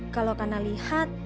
kalau kena lihat